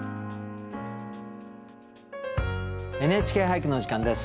「ＮＨＫ俳句」のお時間です。